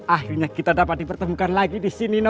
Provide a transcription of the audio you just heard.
akhirnya kita dapat dipertemukan lagi disini